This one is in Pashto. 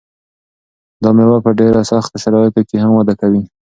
دا مېوه په ډېرو سختو شرایطو کې هم وده کوي.